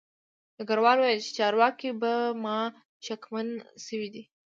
ډګروال وویل چې چارواکي په ما شکمن شوي دي